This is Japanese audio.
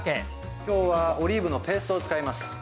きょうはオリーブのペーストを使います。